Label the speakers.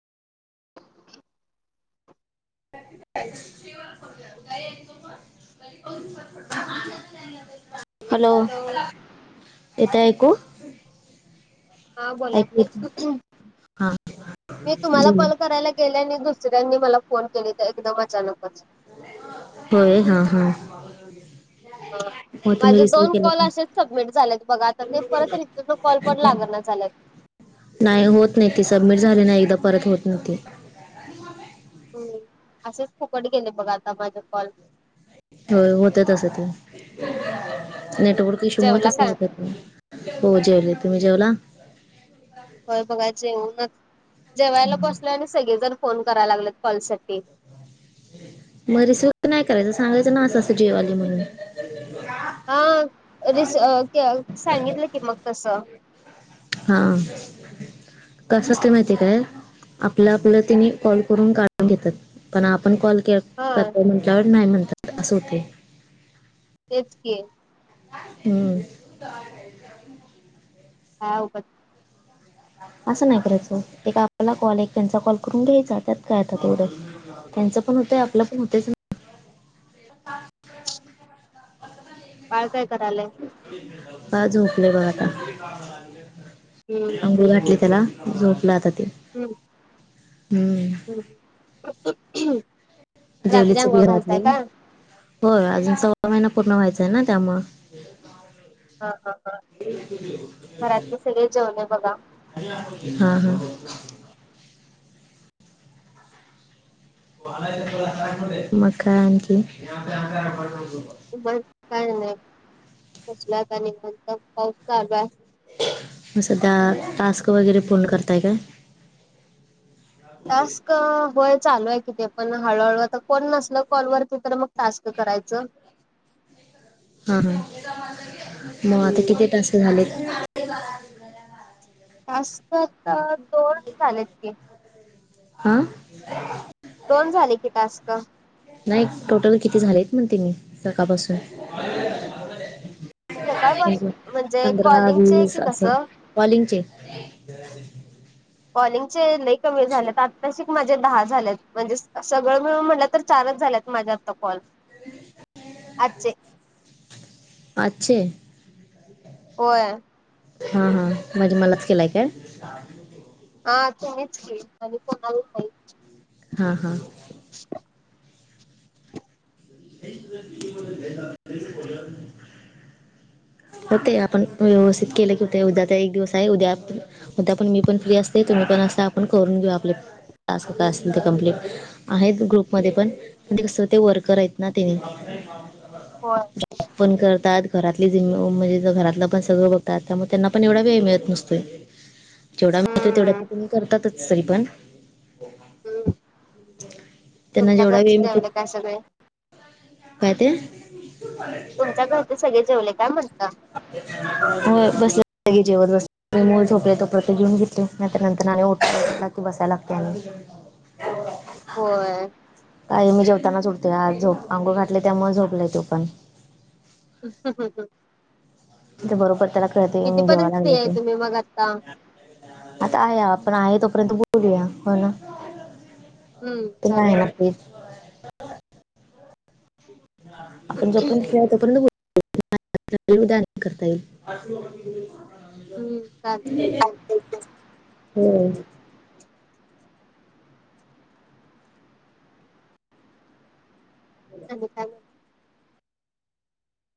Speaker 1: [unintelligible]
Speaker 2: काय तो पण [unintelligible] हॅलो येत आहेक.
Speaker 1: हा बोला.
Speaker 2: हा
Speaker 1: मी तुम्हाला
Speaker 2: बोला
Speaker 1: कॉल करायला गेले आणि दुसऱ्यांनी मला फोन केले तर एकदम अचानकच.
Speaker 2: होय हा हा. [unintelligible]
Speaker 1: हा.
Speaker 2: हो तुम्ही
Speaker 1: माझे
Speaker 2: रिसिव्ह
Speaker 1: दोन
Speaker 2: केलं
Speaker 1: कॉल
Speaker 2: का
Speaker 1: असेच सबमिट झालेत बघा आता ते परत रिर्टन कॉल पण लागणा झाल्यात.
Speaker 2: नाही होत नाही ती सबमिट झाली नाही एकदा परत होत नाही ती
Speaker 1: ह असेच फुकट गेले बघ आता माझे कॉल.
Speaker 2: हो होत तस ते नेटवर्क इश्यू मुळे
Speaker 1: जेवला
Speaker 2: तस
Speaker 1: का
Speaker 2: होत ते. हो जेवेले तुम्ही जेवला?
Speaker 1: होय बघा जेवुनच जेवायला बसलोय आणि सगळेजण फोन करायला लागलेत कॉल साठी?
Speaker 2: मग रिसीव्ह नाही करायचं सांगायचं ना असं असं जेवालोय म्हणून.
Speaker 1: हा रिसिव्ह अ अ सांगितलं की मग तसं?
Speaker 2: हा. कसं ते माहिती आहे काय आपलं आपलं तिने कॉल करून काढून घेतात पण आप- पण कॉल के
Speaker 1: हा
Speaker 2: करतो म्हटल्यावर नाही म्हणतात असं होतय.
Speaker 1: तेच की
Speaker 2: हम्म.
Speaker 1: काय अवघड.
Speaker 2: असं नाही करायचं एक आपला कॉल एक त्यांचा कॉल करून घ्यायचा त्यात काय आता तेवढं. त्यांचं पण होतय आपलं पण होत.
Speaker 1: बाळ काय करायलाय?
Speaker 2: का झोपले बघ आता
Speaker 1: हम्म
Speaker 2: अंघूळ घातली त्याला झोपलं आता ते
Speaker 1: ह.
Speaker 2: हम्म.
Speaker 1: हम्म. रात्री
Speaker 2: जेवलीच सगळी
Speaker 1: आंघोळ
Speaker 2: घरातली
Speaker 1: घालताय का?
Speaker 2: हो अजून सव्वा महिना पूर्ण व्हायचाय ना त्यामु
Speaker 1: हा हा हा घरातले सगळे जेवले बघा.
Speaker 2: हा हा. म काय आणखी
Speaker 1: काय नाही त्यात आणि पाऊस चालू आहे.
Speaker 2: म सध्या टास्क वगैरे पूर्ण करताय काय?
Speaker 1: टास्क होय चालू आहे ते पण हळूहळू आता कोण नसल कॉल वरती तर मग टास्क करायचं?
Speaker 2: हा मग आता
Speaker 1: हम्म.
Speaker 2: किती तास झालेत?
Speaker 1: जास्तच दोन झालेत की?
Speaker 2: आ.
Speaker 1: दोन झाले की टास्क?
Speaker 2: नाही टोटल किती झालेत म्हणते मी सकाळपासून.
Speaker 1: सकाळपासून म्हणजे
Speaker 2: पंधरा
Speaker 1: कॉलिंगचे
Speaker 2: वीस
Speaker 1: कि
Speaker 2: असं
Speaker 1: कसं
Speaker 2: कॉलिंगचे. ह.
Speaker 1: कॉलिंगचे लई कमी झालेत? नशीब माझे दहा झालेत म्हणजे सगळं मिळून म्हटलं तर चारच झाल्यात माझे आता कॉल. आजचे.
Speaker 2: आजचे
Speaker 1: होय.
Speaker 2: हां हां म्हणजे मलाच केलाय काय? [inaudible]
Speaker 1: हा तुम्हीच की आणि कोणाला नाही.
Speaker 2: हा हा.
Speaker 1: [inaudible]
Speaker 2: [inaudible]
Speaker 1: [inaudible]
Speaker 2: होतय आपण व्यवस्थित केले की होतय उद्या चा एक दिवस आहे उद्या उद्या मी पण फ्री असते तुम्ही पण असताय आपण करून घेऊ आपले टास्क काय असतील ते कमप्ललीट आहेत ग्रुपमध्ये पण ते कस ते वर्कर आहेत. ना ति
Speaker 1: होय.
Speaker 2: पण करतात घरातली ज म्हणजे घरातलं पण सगळं बघतात त्यामुळे त्यांना पण एवढा वेळ मिळत नसतोय. जेवढा म्हणतोय तेवढ्
Speaker 1: हम्म
Speaker 2: तर तुम्ही करतातच तरी पण.
Speaker 1: हम,
Speaker 2: त्यांना
Speaker 1: तुमचा
Speaker 2: जेवढा
Speaker 1: घरचे
Speaker 2: वेळ मिळतो
Speaker 1: जेवले काय सगळे?
Speaker 2: काय ते?
Speaker 1: तुमच्या घरचे सगळे जेवले का म्हणत
Speaker 2: होय बसले की जेवत बस ममूल झोले तो प्रत्ये घेऊन घेतले नाही त्या नंतर आणिने ओठला की बसायला लागते आणि.
Speaker 1: होय.
Speaker 2: काही मी जेवताना सु उडते आज झोप अंंगो घातले त्यामुळे झोपलाय त्यो पण.
Speaker 1: ह ह ह.
Speaker 2: थ बरोबर त्याला कळते जेव
Speaker 1: कितीपर्यंत फ्री
Speaker 2: लागलं
Speaker 1: आहे
Speaker 2: ते.
Speaker 1: तुम्ही मग आता?
Speaker 2: आता आहे आपण आहे तोपर्यंत बोलूया हो ना
Speaker 1: हम्म
Speaker 2: तुम्ही
Speaker 1: चाल
Speaker 2: आहे ना फ्री? आपण जोपर्यंत फ्री आहे तोपर्यंत बोल उद्या आठ करता येईल.
Speaker 1: हम्म चालतंय
Speaker 2: चालतंय की होय.
Speaker 1: आणि काय?